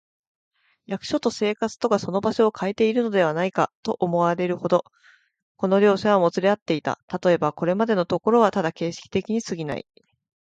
役所と生活とがその場所をかえているのではないか、と思われるほど、この両者はもつれ合っていた。たとえば、これまでのところはただ形式的にすぎない、